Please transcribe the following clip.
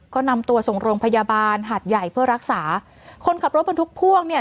ก็นำตัวส่งโรงพยาบาลหาดใหญ่เพื่อรักษาคนขับรถบรรทุกพ่วงเนี่ย